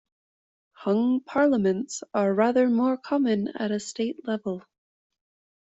Hung parliaments are rather more common at a state level.